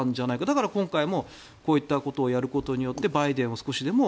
だから今回もこういったことをやることによってバイデンを少しでも